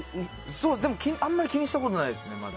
でも、あんまり気にしたことないですね、まだ。